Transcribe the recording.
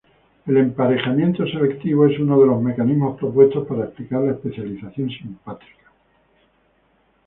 El emparejamiento selectivo es uno de los mecanismos propuestos para explicar la especialización simpátrica.